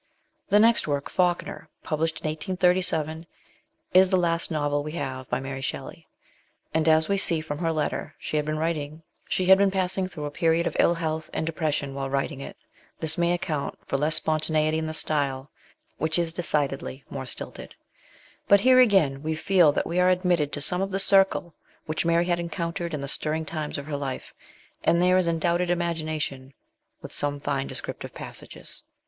The next work, Falkner, published in 1837, is the last novel we have by Mary Shelley; and as we see from her letter she had been passing through a period of ill health and depression while writing it, this may account for less spontaneity in the style, which is decidedly more stilted ; but, here again, we feel that we are admitted to some of the circle which Mary had encountered in the stirring times of her life, and there is undoubted imagination with some fine descriptive passages.